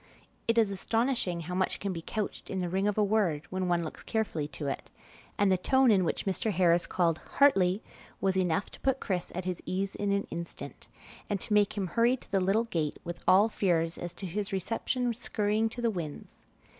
It is astonishing how much can be couched in the ring of a word when one looks carefully to it; and the tone in which Mr. Harris called "Hartley" was enough to put Chris at his ease in an instant, and to make him hurry to the little gate with all fears as to his reception skurrying to the winds.